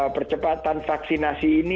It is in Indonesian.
percepatan vaksinasi ini